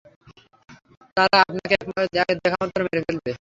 তারা আপনাকে দেখামাত্র মেরে ফেলবে।